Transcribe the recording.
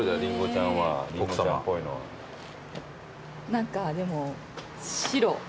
何かでも白。